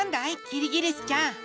キリギリスちゃん。